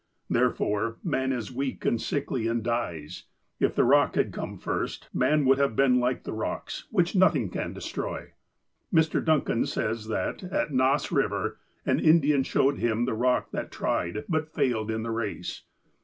Therefore, man is weak and sickly, and dies. If the rock had come first, man would have been like the rocks, which nothing can destroy." Mr. Duncan says that, at Nass Eiver, an Indian showed him the rock that tried, but failed, in the race.